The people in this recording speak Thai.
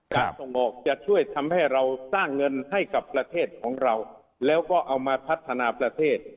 ส่งออกจะช่วยทำให้เราสร้างเงินให้กับประเทศของเราแล้วก็เอามาพัฒนาประเทศ